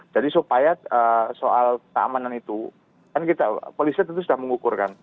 jadi supaya soal keamanan itu kan kita polisi tentu sudah mengukurkan